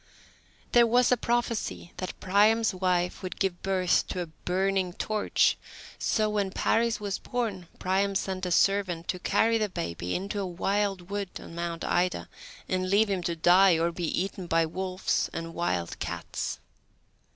There was a prophecy that Priam's wife would give birth to a burning torch, so, when Paris was born, Priam sent a servant to carry the baby into a wild wood on Mount Ida, and leave him to die or be eaten by wolves and wild cats.